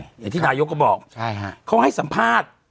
อย่างที่นายกก็บอกเขาให้สัมภาษณ์